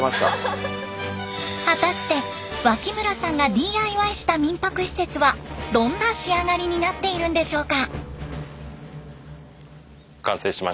果たして脇村さんがＤＩＹした民泊施設はどんな仕上がりになっているんでしょうか？